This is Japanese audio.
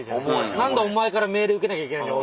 何でお前から命令受けなきゃいけないんだ。